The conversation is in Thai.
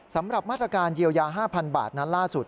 สำหรับมาตรการเยียวยา๕๐๐บาทนั้นล่าสุด